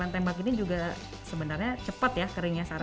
lem tembak ini juga sebenarnya cepat ya keringnya searahnya